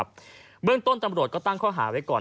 เบื้องต้นตำรวจก็ตั้งข้อหาไว้ก่อน